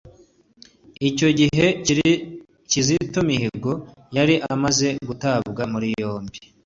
Icyo gihe Kizito Mihigo yari amaze gutabwa muri yombi